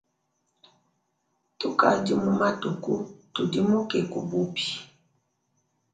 Tukadi mu matuku tudimuke ku bubi.